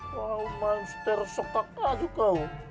wah main seter sok kakak juga